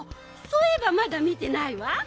そういえばまだみてないわ。